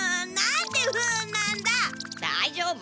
だいじょうぶ！